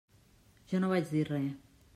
Jo no vaig dir res.